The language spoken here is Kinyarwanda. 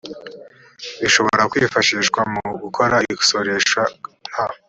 bishobora kwifashishwa mu gukora isoresha nta